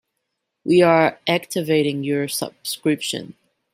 We are activating your subscription.